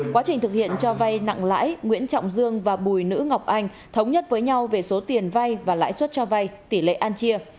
quá trình thực hiện cho vay nặng lãi nguyễn trọng dương và bùi nữ ngọc anh thống nhất với nhau về số tiền vay và lãi suất cho vay tỷ lệ an chia